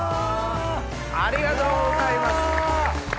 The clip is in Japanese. ありがとうございます。